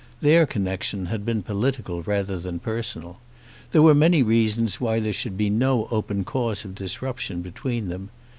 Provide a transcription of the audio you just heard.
Their connection had been political rather than personal. There were many reasons why there should be no open cause of disruption between them.